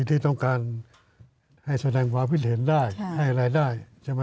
ที่ต้องการให้แสดงความพิเศษได้ให้อะไรได้